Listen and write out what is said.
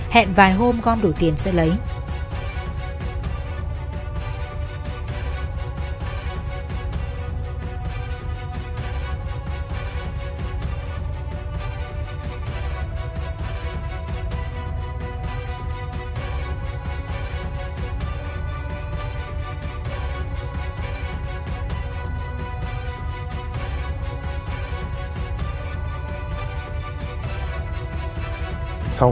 hôm con đủ tiền sẽ lấy